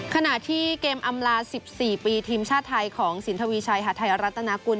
ขณะที่เกมอำลา๑๔ปีทีมชาติไทยของสินทวีชัยหาดไทยรัฐนากุล